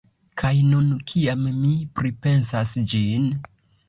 Kaj nun, kiam mi pripensas ĝin.